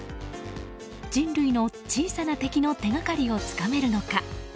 人類の小さな敵の手掛かりをつかめるのか。